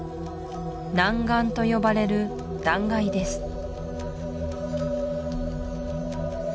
南巌と呼ばれる断崖です